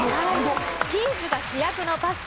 チーズが主役のパスタ。